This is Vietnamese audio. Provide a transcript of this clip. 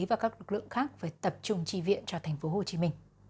và các lực lượng khác phải tập trung tri viện cho tp hcm